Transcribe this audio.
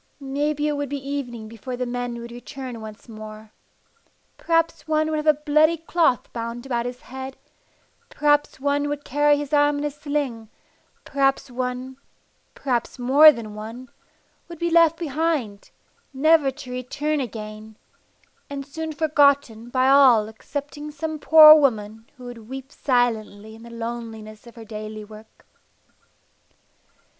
Maybe it would be evening before the men would return once more. Perhaps one would have a bloody cloth bound about his head, perhaps one would carry his arm in a sling; perhaps one maybe more than one would be left behind, never to return again, and soon forgotten by all excepting some poor woman who would weep silently in the loneliness of her daily work.